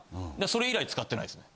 それ以来使ってないっすね。